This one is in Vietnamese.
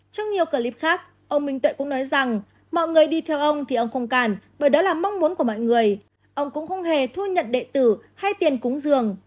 trong nhiều clip khác ông minh tuệ cũng nói rằng mọi người đi theo ông thì ông không cản bởi đó là mong muốn của mọi người ông cũng không hề thu nhận đệ tử hay tiền cúng dường